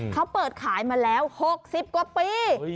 เขาเปิดขายมาแล้ว๖๐กว่าปี